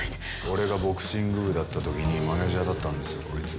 俺がボクシング部だった時にマネージャーだったんですよこいつ。